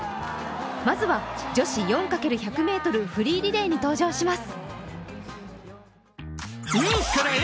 まずは女子４×１００ｍフリーリレーに登場します。